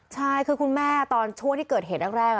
ใช่คือคุณแม่ช่วงที่เกิดเหตุการณ์แรก